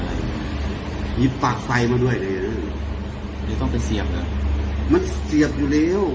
รีบปากไฟมาด้วยเลยเลยต้องไปเสียบนะมันเสียบหนูแล้ว